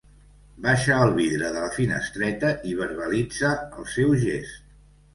Baixa el vidre de la finestreta i verbalitza el seu gest.